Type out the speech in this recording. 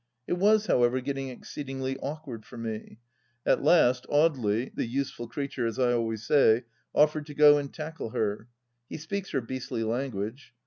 It was however getting exceedingly awkward for me. At last Audely — the useful creature, as I always say — offered to go and tackle her. He speaks her beastly language.